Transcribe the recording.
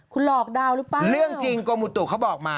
คุณหลอกดาวน์หรือเปล่าเรื่องจริงกรมอุตุเขาบอกมา